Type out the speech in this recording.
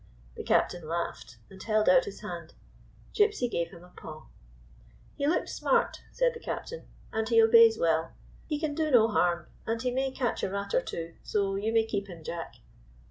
The captain laughed, and held out his hand. Gypsy gave him a paw. i35 GYPSY, THE TALKING DOG " He looks smart," said tlie captain, " and lie obeys well. He can do no harm, and he may catch a rat or two; so you may keep him, Jack."